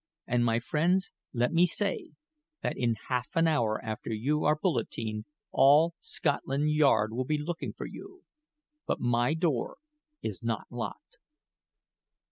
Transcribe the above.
And, my friends, let me say, that in half an hour after you are bulletined, all Scotland Yard will be looking for you. But my door is not locked."